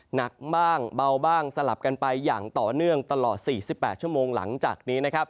หนักบ้างเบาบ้างสลับกันไปอย่างต่อเนื่องตลอด๔๘ชั่วโมงหลังจากนี้นะครับ